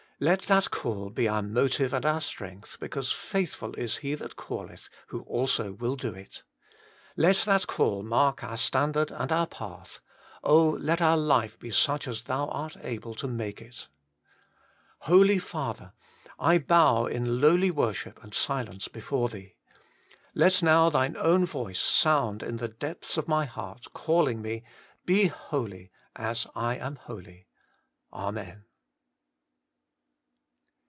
Let that call be our motive and our strength, because faithful is He that calleth, who also will do it. Let that call mark our standard and our path ; oh ! let our life be such as Thou art able to make it. Holy Father ! I bow in lowly worship and silence before Thee. Let now Thine own voice sound in the depths of my heart (Jailing me, Be holy, as I am "holy. Amen.